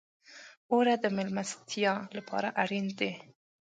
اوړه د میلمستیا لپاره اړین دي